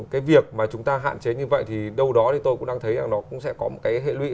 cái việc mà chúng ta hạn chế như vậy thì đâu đó thì tôi cũng đang thấy rằng nó cũng sẽ có một cái hệ lụy